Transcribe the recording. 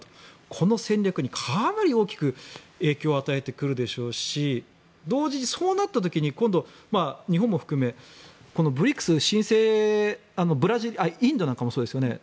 この戦略にかなり大きく影響を与えてくるでしょうし同時に、そうなった時に今度、日本も含めインドなんかもそうですよね。